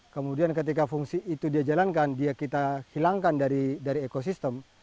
kemudian ketika fungsi itu dia jalankan dia kita hilangkan dari ekosistem